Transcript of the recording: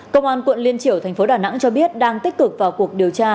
công an quận liên triểu thành phố đà nẵng cho biết đang tích cực vào cuộc điều tra